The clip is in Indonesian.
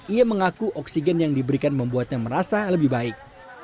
ia mengaku oksigen yang diberikan membuatnya merasa lebih baik